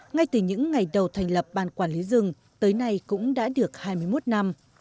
ngay từ những ngày đầu thành lập ban quản lý rừng tới nay cũng đã được hai mươi một năm